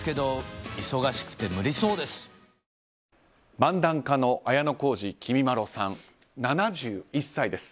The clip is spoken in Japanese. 漫談家の綾小路きみまろさん７１歳です。